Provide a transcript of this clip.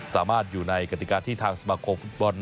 สามารถอยู่ในกฏิการที่ทางสมาคมกีฬาฟุตบอลวางไว้